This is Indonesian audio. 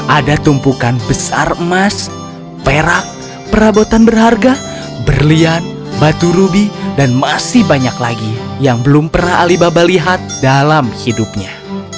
ada tumpukan besar emas perak perabotan berharga berlian batu rubi dan masih banyak lagi yang belum pernah alibaba lihat dalam hidupnya